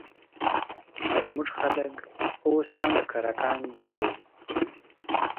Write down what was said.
زموږ خلک اوس هم کرکان جنګوي